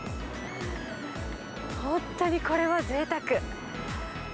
本当にこれはぜいたく。